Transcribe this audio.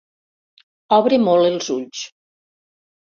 Obre molt els ulls.